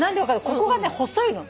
ここがね細いの。